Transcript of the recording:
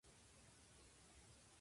大楠登山口